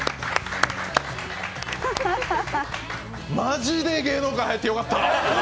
マジで芸能界入ってよかった。